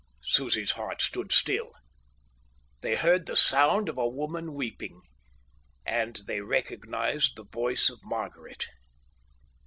Susie's heart stood still. They heard the sound of a woman weeping, and they recognized the voice of Margaret.